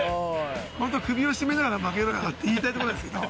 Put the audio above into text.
ホント首を絞めながらまけろやって言いたいとこですけど。